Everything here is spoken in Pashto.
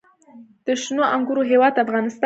د شنو انګورو هیواد افغانستان.